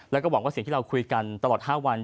แล้วก็หวังว่าสิ่งที่เราคุยกันตลอด๕วัน